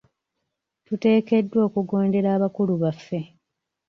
Tuteekeddwa okugondera abakulu baffe.